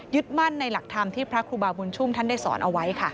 มั่นในหลักธรรมที่พระครูบาบุญชุมท่านได้สอนเอาไว้ค่ะ